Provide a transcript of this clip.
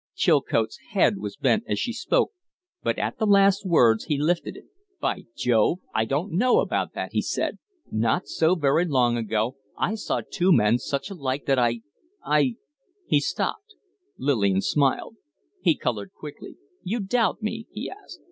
Chilcote's head was bent as she spoke, but at the last words he lifted it. "By Jove! I don't know about that!" he said. "Not so very long ago I saw two men so much alike that I I " He stopped. Lillian smiled. He colored quickly. "You doubt me?" he asked.